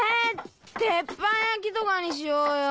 鉄板焼きとかにしようよ！